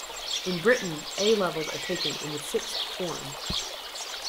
In Britain, A-levels are taken in the sixth form